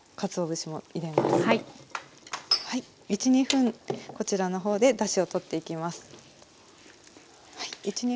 １２分こちらの方でだしを取っていきます。